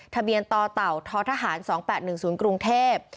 ทะเบียนต่อเต่าท้อทหาร๒๘๑ศูนย์กรุงเทพฯ